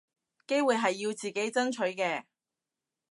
機會係要自己爭取嘅